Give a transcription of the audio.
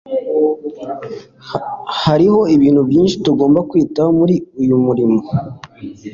Hariho ibintu byinshi tugomba kwitaho muri uyu murimo